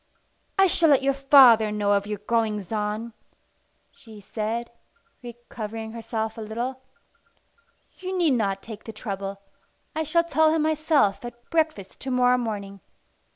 "I shall let your father know of your goings on," she said, recovering herself a little. "You need not take the trouble. I shall tell him myself at breakfast to morrow morning.